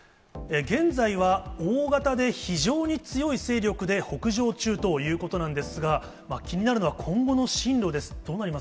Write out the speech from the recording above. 現在は大型で非常に強い勢力で北上中ということなんですが、気になるのは、今後の進路です。